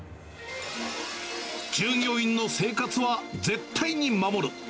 従業員の生活は絶対に守る。